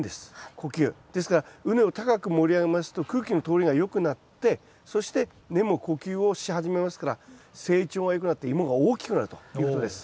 呼吸。ですから畝を高く盛り上げますと空気の通りがよくなってそして根も呼吸をし始めますから成長がよくなってイモが大きくなるということです。